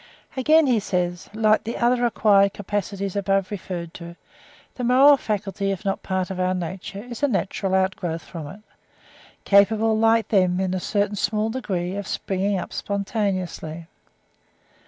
Again he says, "Like the other acquired capacities above referred to, the moral faculty, if not a part of our nature, is a natural out growth from it; capable, like them, in a certain small degree of springing up spontaneously."